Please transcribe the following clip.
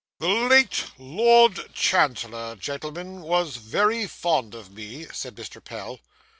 'The late Lord Chancellor, gentlemen, was very fond of me,' said Mr. Pell.